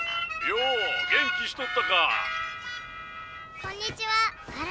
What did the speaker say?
「ようげんきしとったか？」。